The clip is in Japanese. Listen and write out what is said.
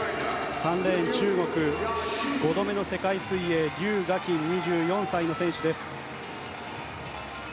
３レーン、中国５度目の世界水泳リュウ・ガキン、２４歳の選手。